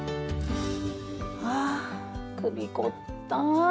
あ首凝った。